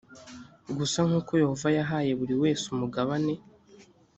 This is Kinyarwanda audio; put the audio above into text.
gusa nk uko yehova yahaye buri wese umugabane